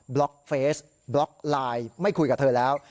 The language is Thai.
บล็อกเฟสบล็อกไลน์ไม่คุยกับเธอแล้ว